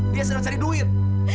dia sedang cari duit